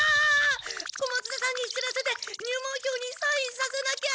小松田さんに知らせて入門票にサインさせなきゃ！